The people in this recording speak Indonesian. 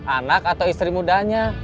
anak atau istri mudanya